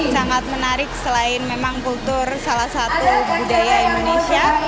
sangat menarik selain memang kultur salah satu budaya indonesia